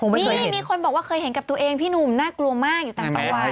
มีคนบอกว่าเคยเห็นกับตัวเองพี่หนูเหมือนน่ากลัวมากอยู่ต่างประวัติ